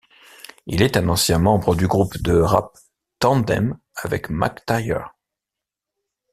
Il est un ancien membre du groupe de rap Tandem avec Mac Tyer.